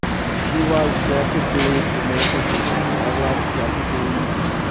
She was rapidly promoted to the level of Deputy Minister.